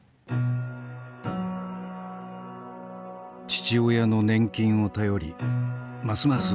父親の年金を頼りますます